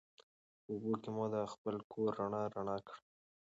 په اوبو مو دا خپل کور رڼا رڼا کړي